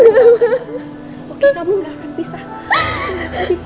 oke kamu gak akan pisah